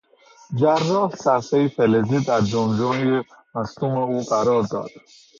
جراح صفحهای فلزی در جمجمهی مصدوم او قرار داد.